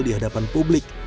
di hadapan publik